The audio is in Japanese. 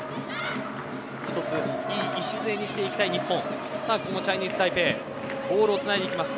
１ついい試合にしていきたい日本。